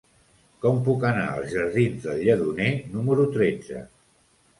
Com puc anar als jardins del Lledoner número tretze?